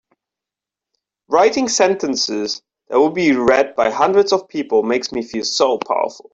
Writing sentences that will be read by hundreds of people makes me feel so powerful!